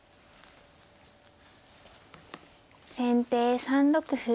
先手３六歩。